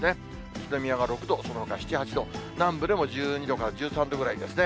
宇都宮が６度、そのほか７、８度、南部でも１２度から１３度ぐらいですね。